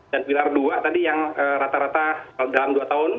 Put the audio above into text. dan pilar dua tadi yang rata rata dalam dua tahun